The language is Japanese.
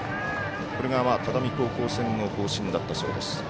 これが只見高校戦の方針だったようです。